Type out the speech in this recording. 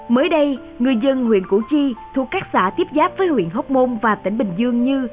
mới đây người dân huyện củ chi thuộc các xã tiếp giáp với huyện hóc môn và tỉnh bình dương như